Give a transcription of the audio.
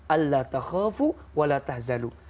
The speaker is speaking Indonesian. allah takhofu walatah zalu